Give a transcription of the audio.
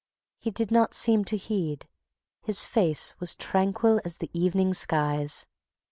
He did not seem to heed, his face Was tranquil as the evening skies.